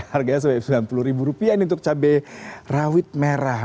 harganya rp sembilan puluh untuk cabai rawit merah